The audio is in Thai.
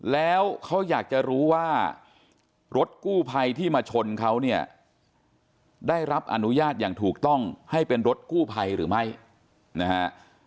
แล้วเขาอยากจะรู้ว่ารถกู้ภัยที่มาชนเขาเนี่ยได้รับอนุญาตอย่างถูกต้องให้เป็นรถกู้ภัยหรือไม่นะฮะ